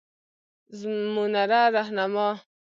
زمونره رهنما